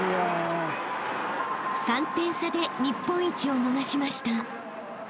［３点差で日本一を逃しました］